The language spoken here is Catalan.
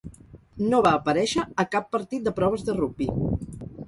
No va aparèixer a cap partit de proves de rugbi.